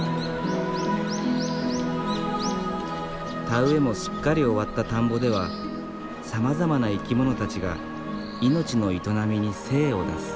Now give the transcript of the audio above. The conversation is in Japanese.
田植えもすっかり終わった田んぼではさまざまな生き物たちが命の営みに精を出す。